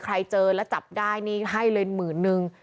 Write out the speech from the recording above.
เจอแล้วจับได้นี่ให้เลยหมื่นนึง